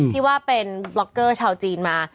ที่ว่าเป็นบล็อกเกอร์ชาวจีนมา